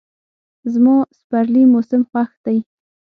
زما د سپرلي موسم خوښ دی.